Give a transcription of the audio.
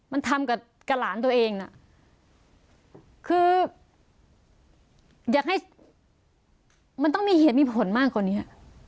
มันทำกับหลานตัวเองน่ะคืออยากให้มันต้องมีเหตุมีผลมากกว่านี้